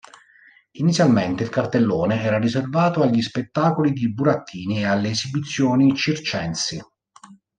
Inizialmente il cartellone era riservato agli spettacoli di burattini e alle esibizioni circensi.